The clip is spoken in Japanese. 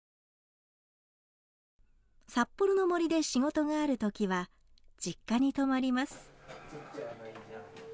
札幌の森で仕事があるときは実家に泊まります。